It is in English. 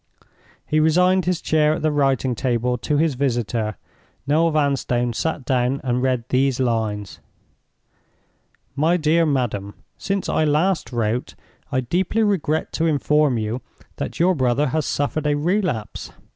He resigned his chair at the writing table to his visitor. Noel Vanstone sat down, and read these lines: "MY DEAR MADAM—Since I last wrote, I deeply regret to inform you that your brother has suffered a relapse.